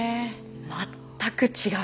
全く違う。